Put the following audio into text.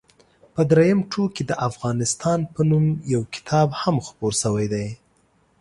په درېیم ټوک کې د افغانستان په نوم یو کتاب هم خپور شوی دی.